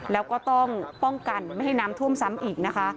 แล้วก็ต้องป้องกันไม่ให้น้ำท่วมซ้ำอีกนะคะ